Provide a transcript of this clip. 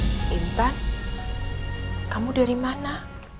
nintan kamu dari mana